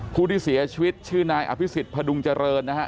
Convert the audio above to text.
ผู้ที่เสียชีวิตชื่อนายอภิษฎพดุงเจริญนะฮะ